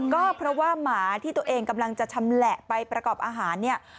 ก็เพราะว่าหมาที่ตัวเองกำลังจะชำแหละไปประกอบอาหารเนี่ย